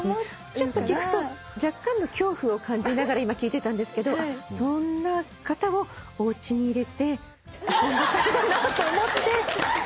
ちょっと聞くと若干の恐怖を感じながら今聞いてたんですけどそんな方をおうちに入れて遊んでたんだなと思って。